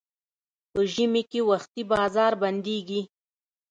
په ژمي کې وختي بازار بندېږي.